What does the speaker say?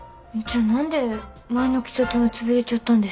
じゃあ何で前の喫茶店は潰れちゃったんですかね？